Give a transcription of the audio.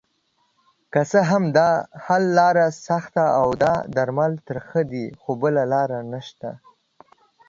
که څه هم داحل لاره سخته اودا درمل ترخه دي خو بله لاره نشته